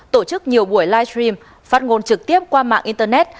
tổ chức nhiều buổi live stream phát ngôn trực tiếp qua mạng internet